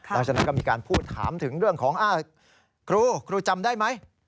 หลังจากนั้นก็มีการพูดถามถึงเรื่องของครูครูจำได้ไหม